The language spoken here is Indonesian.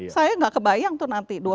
saya tidak kebayang itu nanti